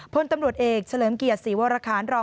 ผลตำรวจเอกเฉลิมเกียรติศีโวราค้าน